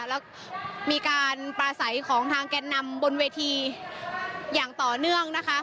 แล้วมีการปลาใสของทางแก่นนำบนเวทีอย่างต่อเนื่องนะคะ